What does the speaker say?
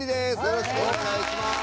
よろしくお願いします。